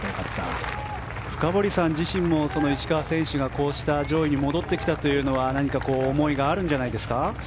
深堀さん自身も石川選手が上位に戻ってきたのは何か思いがあるんじゃないですか？